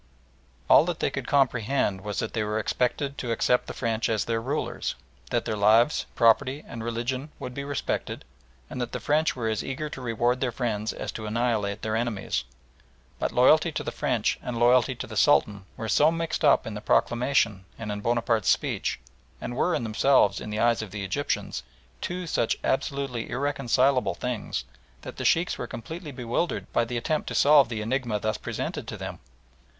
All that they could comprehend was that they were expected to accept the French as their rulers; that their lives, property, and religion would be respected; and that the French were as eager to reward their friends as to annihilate their enemies. But loyalty to the French and loyalty to the Sultan were so mixed up in the proclamation and in Bonaparte's speech, and were in themselves, in the eyes of the Egyptians, two such absolutely irreconcilable things, that the Sheikhs were completely bewildered by the attempt to solve the enigma thus presented to them.